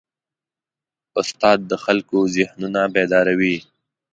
استاد د خلکو ذهنونه بیداروي.